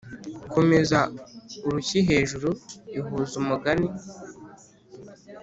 komeza urushyi hejuru ihuza umugani